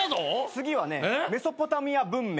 次はねメソポタミア文明。